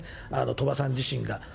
鳥羽さん自身が。